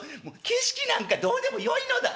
景色なんかどうでもよいのだ。